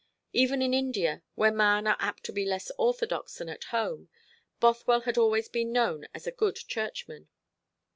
Even in India, where men are apt to be less orthodox than at home, Bothwell had always been known as a good Churchman.